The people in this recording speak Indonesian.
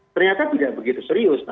ternyata tidak begitu serius